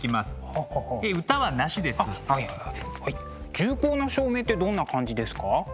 重厚な照明ってどんな感じですか？